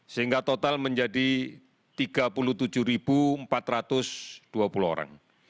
sehingga total menjadi tiga puluh tujuh empat ratus dua puluh orang